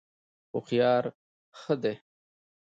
هوښیاري ښه ده.